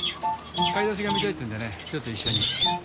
買い出しが見たいっていうんでねちょっと一緒に。